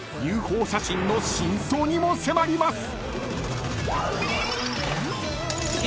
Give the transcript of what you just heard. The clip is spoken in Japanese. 写真の真相にも迫ります！］